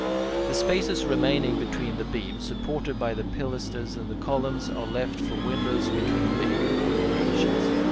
The spaces remaining between the beams supported by the pilasters and the columns, are left for windows between the intercolumniations.